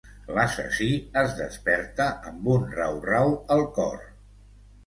L'assassí es desperta amb un rau-rau al cor.